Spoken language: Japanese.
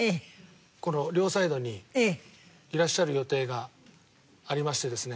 この両サイドにいらっしゃる予定がありましてですね。